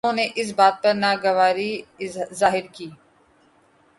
انہوں نے اس بات پر ناگواری ظاہر کی